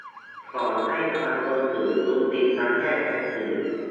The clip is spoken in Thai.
ขอให้สมาคมสื่อยุติการแทรกแซงสื่อ